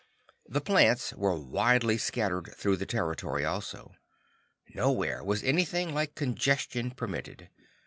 The plants were widely scattered through the territory also. Nowhere was anything like congestion permitted.